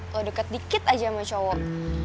lo deket dikit aja sama cowok